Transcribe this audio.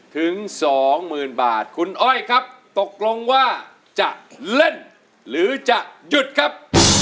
ถึงสองหมื่นบาทคุณอ้อยครับตกลงว่าจะเล่นหรือจะหยุดครับ